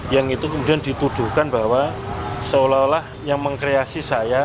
yang itu kemudian dituduhkan bahwa seolah olah yang mengkreasi saya